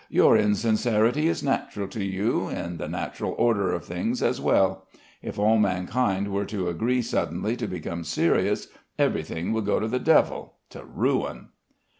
Your insincerity is natural to you, in the natural order of things as well. If all mankind were to agree suddenly to become serious, everything would go to the Devil, to ruin."